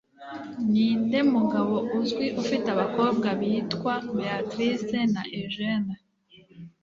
Ninde mugabo uzwi ufite abakobwa bitwa Beatrice na Eugene